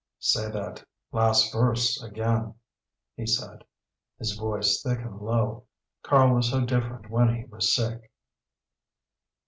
"Say that last verse again," he said, his voice thick and low; Karl was so different when he was sick!